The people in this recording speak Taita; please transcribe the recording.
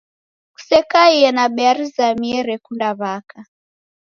Kusekaie na bea rizamie rekunda w'aka